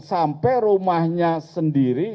sampai rumahnya sendiri